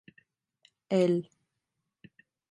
El…